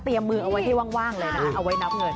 มือเอาไว้ให้ว่างเลยนะคะเอาไว้นับเงิน